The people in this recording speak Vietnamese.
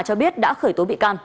cho biết đã khởi tố bị can